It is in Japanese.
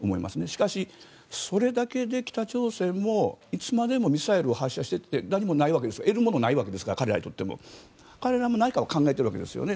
しかし、それだけで北朝鮮もいつまでもミサイルを発射しても得るものが何もないわけですから彼らにとっても。彼らも何かを考えているわけですよね。